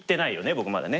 僕まだね。